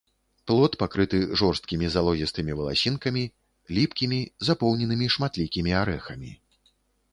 Плод пакрыты жорсткімі залозістымі валасінкамі, ліпкімі, запоўненымі шматлікімі арэхамі.